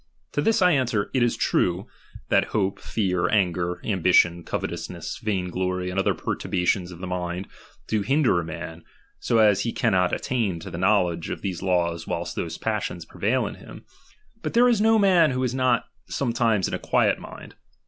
To this I answer, it is true, that hope, fear, anger, ambition, covetousness, vain glory, and other perturbations of mind, do hin der a man, so as he cannot attain to the knowledge of these laws whilst those passions prevail in him ; but there is no man who is not sometimes in a quiet mind.